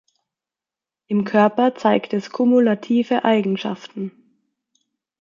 Im Körper zeigt es kumulative Eigenschaften.